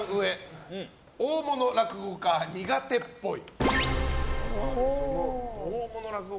大物落語家苦手っぽい。△！